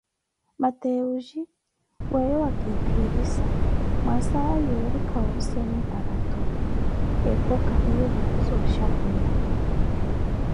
Mateus, weeyo wakiphirisa mwaasa yoori khawoseeni parathu, epo khahiye vitthu zooxhapweya.